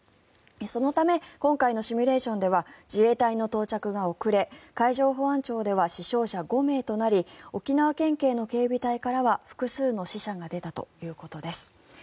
そのため今回のシミュレーションでは自衛隊の到着が遅れ海上保安庁では死傷者５名となり沖縄県警からは、複数の死者が出たということです。